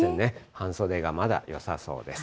半袖がまだよさそうです。